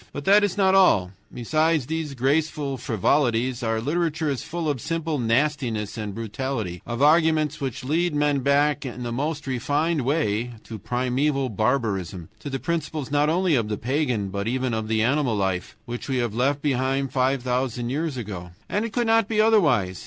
But that is not all; besides these graceful frivolities, our literature is full of simple nastiness and brutality, of arguments which would lead men back in the most refined way to primeval barbarism, to the principles not only of the pagan, but even of the animal life, which we have left behind us five thousand years ago. And it could not be otherwise.